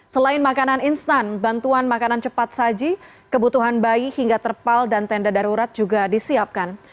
selain makanan instan bantuan makanan cepat saji kebutuhan bayi hingga terpal dan tenda darurat juga disiapkan